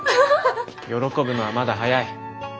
喜ぶのはまだ早い。